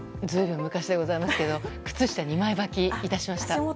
随分昔でございますけど靴下２枚ばき致しました。